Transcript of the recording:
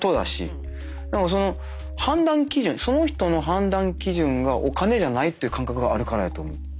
だからその判断基準その人の判断基準がお金じゃないって感覚があるからやと思う。